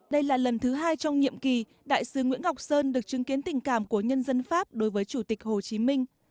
đây là lần thứ hai trong nhiệm kỳ đại sứ nguyễn ngọc sơn được chứng kiến tình cảm của nhân dân pháp đối với chủ tịch hồ chí minh